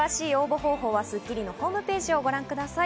詳しい応募方法は『スッキリ』のホームページをご覧ください。